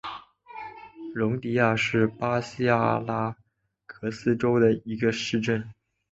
容迪亚是巴西阿拉戈斯州的一个市镇。